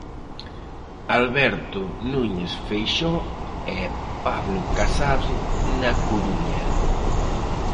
Alberto Núñez Feixóo e Pablo Casado na Coruña.